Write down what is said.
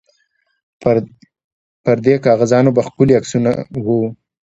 پر دې کاغذانو به ښکلي عکسونه وو.